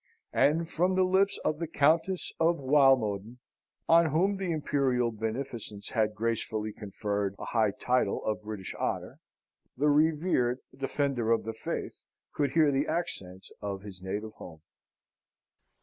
And from the lips of the Countess of Walmoden (on whom the imperial beneficence had gracefully conferred a high title of British honour) the revered Defender of the Faith could hear the accents of his native home.